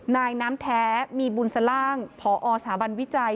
นายน้ำแท้มีบุญสล่างพอสถาบันวิจัย